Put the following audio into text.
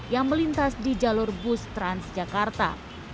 yang melintas di jalur bus transjakarta